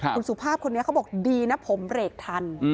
คุณสุภาพคนนี้เขาบอกดีนะผมเบรกทัน